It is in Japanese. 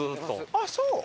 ああそう。